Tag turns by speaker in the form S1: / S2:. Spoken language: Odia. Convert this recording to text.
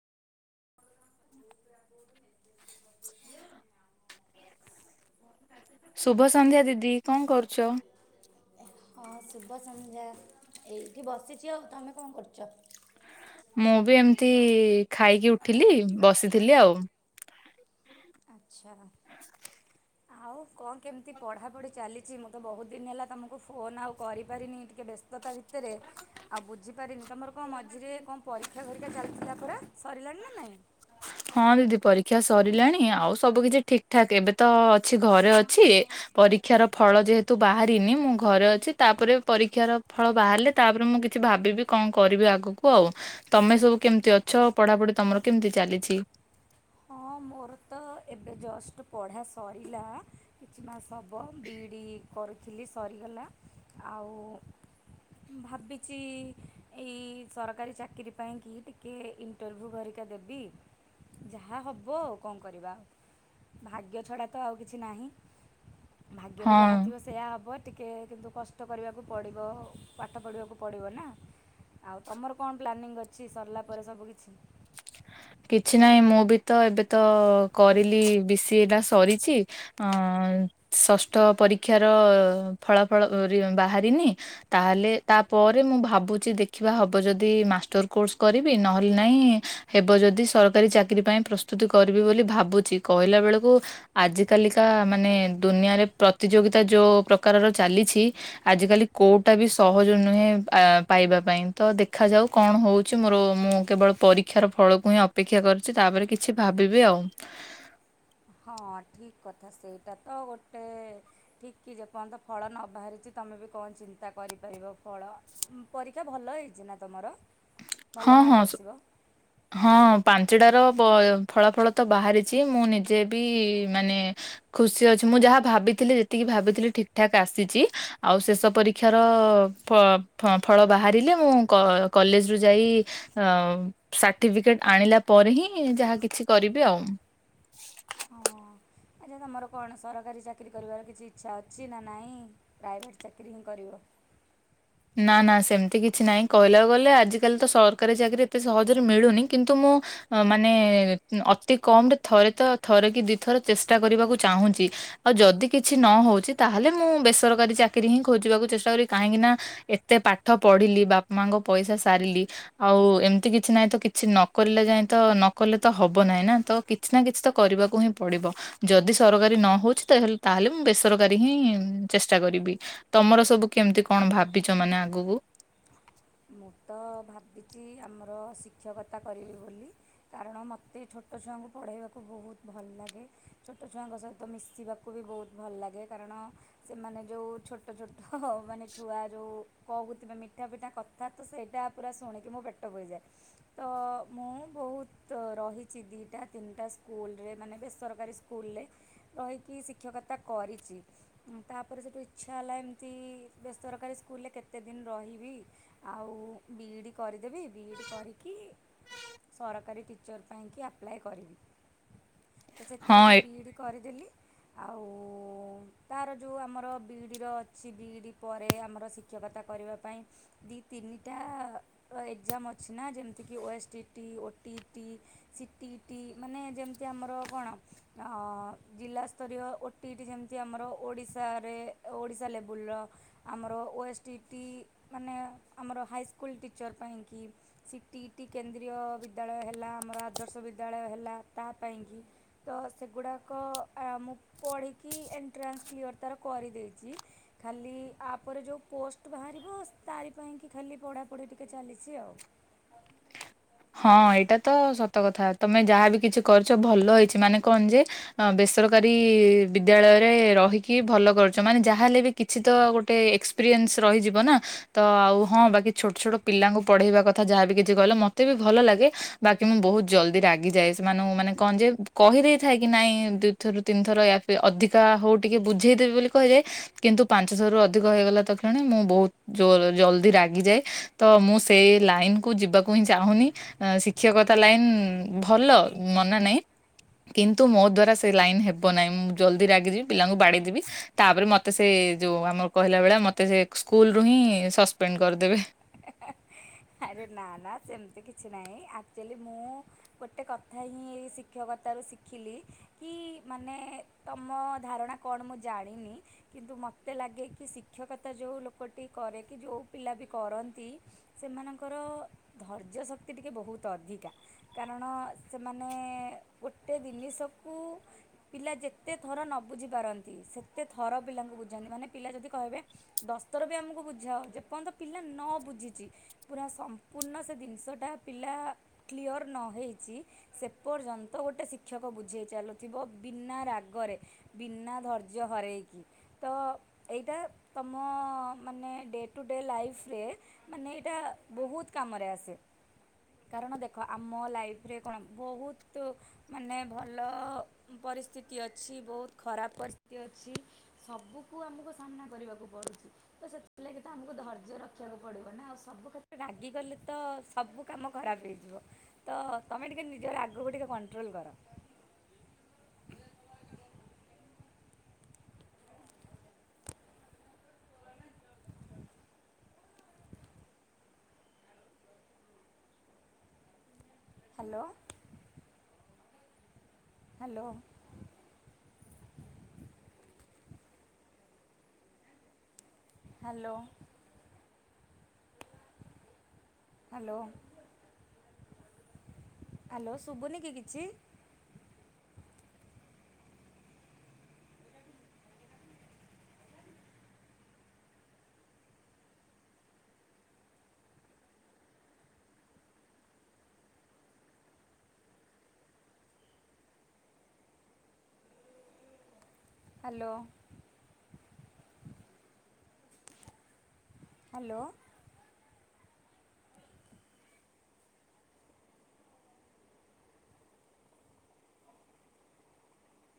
S1: [inaudible]
S2: ଶୁଭ ସନ୍ଧ୍ୟା ଦିଦି କଣ କରୁଚ?
S1: ହଁ ଶୁଭ ସନ୍ଧ୍ୟା ଏଇଠି ବସିଚି ଆଉ ତମେ କଣ କରୁଚ?
S2: ମୁଁ ବି ଏମିତି ଖାଇକି ଉଠିଲି ବସିଥିଲି ଆଉ।
S1: ଆଚ୍ଛା। ଆଉ କଣ କେମିତି ପଢ଼ାପଢ଼ି ଚାଲିଚି ମୁଁ ତ ବହୁତ୍ ଦିନ ହେଲା ତୁମକୁ ଫୋନ୍ ଆଉ କରିପାରିନି ଟିକେ ବ୍ୟସ୍ତତା ଭିତ ତରେ ଆଉ ବୁଝି ପାରିନି ତମର କଣ ମଝିରେ କଣ ପରୀକ୍ଷା ଫରୀକ୍ଷା ଚାଲିଥିଲା ପରା ସରିଲାଣି ନା ନାଇଁ?
S2: ହଁ ଦିଦି ପରୀକ୍ଷା ସରିଲାଣି ଆଉ ସବୁ କିଛି ଠିକ୍ ଠାକ୍ ଏବେ ତ ଅଛି ଘରେ ଅଛି ପରୀକ୍ଷାର ଫଳ ଯେହେତୁ ବାହାରିନି ମୁଁ ଘରେ ଅଛି ତାପରେ ପରୀକ୍ଷାର ଫଳ ବାହାରିଲେ ତାପରେ ମୁଁ କିଛି ଭାବିବି କଣ କରିବି ଆଗକୁ ଆଉ ତମେ ସବୁ କେମିତି ଅଛ ପଢ଼ାପଢ଼ି ତମର କେମିତି ଚାଲିଛି।
S1: ହଁ ମୋର ତ ଏବେ ଜଷ୍ଟ ପଢ଼ା ସରିଲା କିଛି ମାସ ହବ ବିଇଢ଼ି କରୁଥିଲି ସରିଗଲା ଆଉ ଭାବିଚି ଏଇ ସରକାରୀ ଚାକିରି ପାଇଁକି ଟିକେ ଇଣ୍ଟରଭ୍ୟୁ ଭରିକା ଦେବି। ଯାହା ହବ ଆଉ କଣ କରିବା ଭାଗ୍ୟ ଛଡ଼ା ତ ଆଉ କିଛି ନାହିଁ। ଭାଗ୍ୟରେ
S2: ହଁ
S1: ଯାହା ଥିବ ସେ ସେୟା ହବ ଟିକେ କିନ୍ତୁ କଷ୍ଟ କରିବାକୁ ପଡ଼ିବ ପାଠ ପଢ଼ିବାକୁ ପଡ଼ିବ ନା। ଆଉ ତମର କଣ ପ୍ଲାନିଂ ଅଛି ସରିଲା ପରେ ସବୁ କିିଛି?
S2: କିଛି ନାହିଁ ମୁଁବି ତ ଏବେତ କରିଲି ବି ସି ଏ ଟା ସରିଚି ଅ ଷଷ୍ଠ ପରୀକ୍ଷାର ଫଳାଫଳ ରେ ବାହାରିନି ତାହେଲେ ତାପରେ ମୁଁ ଭାବୁଚି ଦେଖିବା ହବ ଯଦି ମାଷ୍ଟର କୋର୍ସ କରିବି ନହେଲେ ନାଇଁ ହେବ ଯଦି ସରକାରୀ ଚାକିରୀ ପାଇଁ ପ୍ରସ୍ତୁତି କରିବି ବୋଲି ଭାବୁଚି କହିଲା ବେଳକୁ ଆଜ କାଲିକା ମାନେ ଦୁନିଆରେ ପ୍ରତିଯୋଗିତା ଯୋଉ ପ୍ରକାରର ଚାଲିଛି ଆଜିକାଲି କୋଉଟା ବି ସହଜ ନୁହେଁ ଆ ପାଇବା ପାଇଁ ତ ଦେଖାଯାଉ କଣ ହଉଚି ମୋର ମୁଁ କେବଳ ପରୀ କ୍ଷାର ଫଳକୁ ହିଁ ଅପେକ୍ଷା କରିଚି ତାପରେ କିଛି ଭାବିବି ଆଉ।
S1: ହଁ ଠିକ୍ କଥା ସେଇଟା ତ ଗୋଟେ ଠିକ୍ ଯେପର୍ଯ୍ୟନ୍ତ ଫଳ ନ ବାହାରିଚି ତମେ ବି କଣ ଚିନ୍ତା କରିପାରିବ ଫଳ ଉ ପରୀକ୍ଷା ଭଲ ହେଇଚି ନା ତମର?
S2: ହଁ ହଁ। ହଁ ପାଞ୍ଚଟାର ବ ଫଳା ଫଳ ତ ବାହାରିଚି ମୁଁ ନିଜେ ବି ମାନେ ଖୁସି ଅଛି ମୁଁ ଯାହା ଭାବିଥିଲି ଯେତିକି ଭାବିଥିଲି ଠିକ୍ ଠାକ୍ ଆସିଚି ଆଉ ଶେଷ ପରୀକ୍ଷାର ଫ ଫ ଫଳ ବାହାରିଲେ ମୁଁ କ କଲେଜ୍ ରୁ ଯାଇ ଅ ସାର୍ଟିଫିକେଟ ଆଣିଲା ପରେ ହିଁ ଯାହା କିଛି କରିବି ଆଉ।
S1: ହଁ ଆଚ୍ଛା ତମର କଣ ସରକାରୀ ଚାକିରି କରିବାର କିଛି ଇଚ୍ଛା ଅଛି ନା ନାଇଁ? ପ୍ରାଇଭେଟ୍ ଚାକିରି ହିଁ କରିବ।
S2: ନା ନା ସେମିତି କିଛି ନାହିଁ କହିଲାକୁ ଗଲେ ଆଜିକାଲି ତ ସରକାରୀ ଚାକିରି ଏତେ ସହଜରେ ମିଳୁନି କିନ୍ତୁ ମୁଁ ମାନେ ଅତି କମ୍ ରେ ଥରେ ତ ଥରେ କି ଦି ଥର ଚେଷ୍ଟା କରିବାକୁ ଚାହୁଁଚି। ଆଉ ଯଦି କିଛି ନ ହୋଉଚି ତାହେଲେ ମୁଁ ବେସରକାରୀ ଚାକିରି ହିଁ ଖୋଜିବାକୁ ଚେଷ୍ଟା କରି କାହିଁକିନା ଏତେ ପାଠ ପଢିଲି ବାପା ମାଙ୍କ ପଇସା ସାରିଲି। ଆଉ ଏମତି କିଛି ନାହିଁ ତ କିଛି ନକରିଲା ଯାଏଁ ତ ନକଲେ ତ ହବ ନାହିଁ ନା ତ କି କିଛି ନା କିଛି ତ କରିବାକୁ ହିଁ ପଡ଼ିବ। ଯଦି ସରକାରୀ ନ ହୋଉଚି ତାହାଲ୍ ତାହେଲେ ମୁଁ ବେସରକାରୀ ହିଁ ଉଁ ଚେଷ୍ଟା କରିବି। ତମର ସବୁ କେମତି କଣ ଭାବିଚ ମାନେ ଆଗକୁ
S1: ମୁଁ ତ ଭାବିଚି ଆମର ଶିକ୍ଷକତା କରିବି ବୋଲି। କାରଣ ମତେ ଛୋଟ ଛୁଆଙ୍କୁ ପଢ଼େଇବାକୁ ବୋହୁତ ଭଲ ଲାଗେ ଛୋଟ ଛୁଆଙ୍କ ସହିତ ମିଶିବା କୁ ବି ବୋହୁତ ଭଲ ଲାଗେ କାରଣ ସେମାନେ ଯୋଉ ଛୋଟ ଛୋଟ ମାନେ ଛୁଆ ଯୋଉ କହୁଥିବେ ମିଠା ମିଠା କ ଥା ତ ସେଇଟା ପୁରା ଶୁଣିକି ମୋ ପେଟ ପୁରିଯାଏ। ତ ମୁଁ ବୋହୁତ ରହିଚି ଦିଇଟା ତିନଟା ସ୍କୁଲରେ ମାନେ ବେସରକାରୀ ସ୍ ସ୍କୁଲରେ ରହିକି ଶିକ୍ଷକତା କରିଚି। ଉଁ ତାପରେ ସେଠୁ ଇଚ୍ଛା ହେଲା ଏମତି ବେସରକାରୀ ସ୍କୁଲରେ କେତେ ଦିନ ରହିଲି ବି। ଆଉ ବିଇଡ଼ି କରିଦେବି ବିଇଡ଼ି କରିକି ସରକାରୀ ଟିଚର୍ ପାଇଁକି ଆପ୍ଲାଏ କରିବି। ତ ସେଥିଲାଗି
S2: ହଁ
S1: ବିଇଡ଼ି କରିଦେଲି ଆଉ ତାର ଯୋଉ ଆମର ବିଇଡ଼ିର ଅଛି ବିଇଡ଼ି ପରେ ଆମର ଶିକ୍ଷକତା କରିବା ପାଇଁ ଦିଇ ତିନିଟା ଅ ଏଗଜାମ୍ ଅଛି ନା ଯେମିତିକି ଓ ଏସ୍ ଟି ଟି, ଓ ଟି ଇ ଟି। ସି ଟି ଇ ଟି ମାନେ ଯେମତି ଆମର କଣ ଅ ଜିଲ୍ଲା ସ୍ତରୀୟ ଓ ଟି ଇ ଟି ଯେମିତି ଆମର ଓଡ଼ିଶାରେ ଓଡ଼ିଶା ଲେବୁଲର। ଆମର ଓ ଏସ୍ ଟି ଟି ମାନେ ଆମର ହାଇସ୍କୁଲ ଟିଚର୍ ପାଇଁକି। C T E T Kendriya Vidyalaya ହେଲା ଆମର ଆଦର୍ଶ ବିଦ୍ୟାଳୟ ହେଲା ତା ପାଇଁକି। ତ ସେଗୁଡ଼ାକ ଅ ମୁଁ ପଢ଼ିକି ଏଣ୍ଟ୍ରାନ୍ସ କ୍ଲିୟର ତାର କରିଦେଇଚି। ଖାଲି ଆପରେ ଯୋଉ ପୋଷ୍ଟ ବାହାରିବ ସ୍ ତାରି ପାଇଁକି ଖାଲି ପଢ଼ାପଢ଼ି ଟିକେ ଚାଲିଚି ଆଉ।
S2: ହଁ ଏଇଟା ତ ସତ କଥା ତମେ ଯାହା ବି କିଛି କରିଛ ଭଲ ହେଇଛି ମାନେ କଣ ଯେ ଅଁ ବେସରକାରୀ ବିଦ୍ୟାଳୟ ରେ ରହିକି ଭଲ କରୁଚ ମାନେ ଯାହା ହେଲେ ବି କିଛି ତ ଗୋଟେ ଏକ୍ସପେରିଏନ୍ସ ରହିଯିବ ନା। ତ ଆଉ ହଁ ବାକି ଛୋଟ ଛୋଟ ପିଲାଙ୍କୁ ପଢେଇବା କଥା ଯାହାବି କିଛି କହିଲ ମତେ ବି ଭଲ ଲାଗେ। ବାକି ମୁଁ ବୋହୁତ ଜଲଦି ରାଗିଯାଏ ସେମାନଙ୍କୁ ମାନେ କଣ ଯେ କହିଦେଇଥାଏ କି ନାଇଁ ଦୁ ଥରୁ ତିନିଥର ୟା ଫିର ଅଧିକା ହୋଉ ଟିକେ ବୁଝେଇଦେବି ବୋଲି କୁହାଯାଏ। କିନ୍ତୁ ପାଞ୍ଚ ଥରରୁ ଅଧିକ ହେଇଗଲା ତ କ୍ଷଣେ ମୁଁ ବୋହୁତ ଜର ଜଲଦି ରାଗିଯାଏ ତ ମୁଁ ସେଇ ଲାଇନ କୁ ଯିବାକୁ ହିଁ ଚା ଚାହୁଁନି ଅଁ ଶିକ୍ଷକତା ଲାଇନ ଭଲ ମନା ନାଇଁ। କିନ୍ତୁ ମୋ ଦ୍ୱାରା ସେ ଲାଇନ୍ ହେବ ନାଇଁ ମୁଁ ଜଲଦି ରାଗିଯିବି ପିଲାଙ୍କୁ ବାଡିଦେବି। ତାପରେ ମତେ ସେ ଯୋଉ ଆମର କହିଲା ଭଳିଆ ମତେ ସେ ସ୍କୁଲରୁ ହିଁ ସସ୍ପେଣ୍ଡ କରିଦେବେ।
S1: ଆରେ ନା ନା ସେମତି କିଛି ନାହିଁ ଆକଚୋଲି ମୁଁ ଗୋଟେ କଥା ହିଁ ଏଇ ଶିକ୍ଷକତାରୁ ଶିଖିଲି କି ମାନେ ତମ ଧାରଣା କଣ ମୁଁ ଜାଣିନି। କିନ୍ତୁ ମତେ ଲାଗେ କି ଶିକ୍ଷକତା ଯୋଉ ଲୋକଟି କରେ କି ଯୋଉ ପିଲା ବି କରନ୍ତି ସେମାନଙ୍କର ଧୈର୍ଯ୍ୟ ଶକ୍ତି ଟିକେ ବୋହୁତ ଅଧିକା। କାରଣ ସେମାନେ ଗୋଟେ ଦିନିଷକୁ ପିଲା ଯେତେ ଥର ନ ବୁଝିପାରନ୍ତି ସେତେ ଥର ପିଲାଙ୍କୁ ବୁଝାନ୍ତି ମାନେ ପିଲା ଯଦି କହିବେ ବଶଥର ବି ଆମକୁ ବୁଝାଅ ଯେପର୍ଯ୍ୟନ୍ତ ପିଲା ନ ବୁଝିଚି ପୁରା ସମ୍ପୂର୍ଣ୍ଣ ସେ ଦିନଷଟା ପିଲା କ୍ଲିଅର୍ ନହେଇଚି ସେପର୍ଯ୍ୟନ୍ତ ଗୋଟେ ଶିକ୍ଷକ ବୁଝେଇ ଚାଲୁଥିବ ବିନା ରାଗରେ। ବିନା ଧର୍ଯ୍ୟ ହରେଇକି। ତ ଏଇଟା ତମ ମାନେ ଡେ ଟୁ ଡେ ଲାଇଫରେ ମାନେ ଏଟା ବୋହୁତ କାମରେ ଆସେ। କାରଣ ଦେଖ ଆମ ଲାଇଫରେ କଣ ବହୁତ ମାନେ ଭଲ ପରିସ୍ଥିତି ଅଛି ବହୁତ ଖରାପ ପରସ୍ଥିତି ଅଛି। ସବୁକୁ ଆମକୁ ସାମ୍ନା କରିବାକୁ ପଡୁଚି। ତ ସେଥିଲାଗି ତ ଆମକୁ ଧୈର୍ଯ୍ୟ ରଖିବାକୁ ପଡିବ ନା ଆଉ ସବୁ କଥାରେ ରାଗିଗଲେ ତ ସବୁ କାମ ଖରାପ ହେଇଯିବ। ତ ତମେ ଟିକେ ନିଜର ରାଗକୁ ଟିକେ କଣ୍ଟ୍ରୋଲ୍ କର। [inaudible] Hello. Hello. Hello. Hello. Hello ଶୁଭୁନି କି କିଛି? ହାଲୋ। ହାଲୋ।